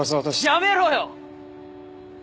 やめろよ！